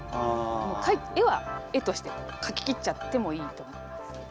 絵は絵としてかききっちゃってもいいと思います。